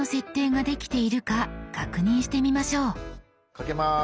かけます。